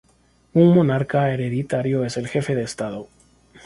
Un monarca hereditario es el jefe de estado.